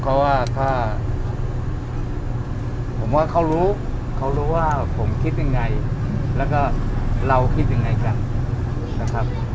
ก็ว่าผมว่าเขารู้ว่าผมคิดอย่างไงแล้วก็เราคิดอย่างไงกันนะครับ